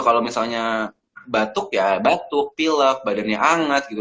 kalau misalnya batuk ya batuk pilak badannya hangat gitu